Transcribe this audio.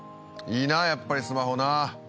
いいなやっぱりスマホな。